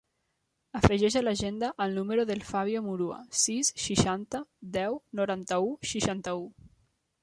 Afegeix a l'agenda el número del Fabio Murua: sis, seixanta, deu, noranta-u, seixanta-u.